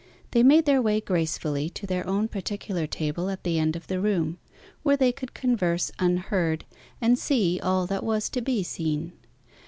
They made their way gracefully to their own particular table at the end of the room, where they could converse unheard, and see all that was to be seen.